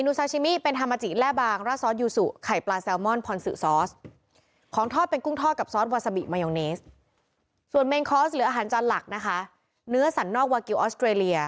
ผู้สืบข่าวเรารายงานเมนูอาหารในการรับทานแรกกันของทั้ง๘พัก